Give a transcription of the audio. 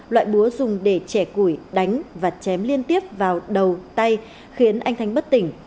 loại búa dùng để trẻ củi đánh và chém liên tiếp vào đầu tay khiến anh thanh bất tỉnh